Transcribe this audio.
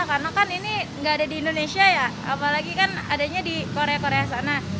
karena kan ini nggak ada di indonesia ya apalagi kan adanya di korea korea sana